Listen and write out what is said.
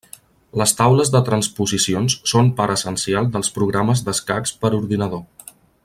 Les taules de transposicions són part essencial dels programes d'escacs per ordinador.